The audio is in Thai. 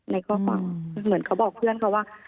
ในข้อความเหมือนเขาบอกเพื่อนเขาว่า